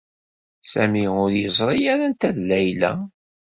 Sami ur yeẓṛi ara anta i d Layla.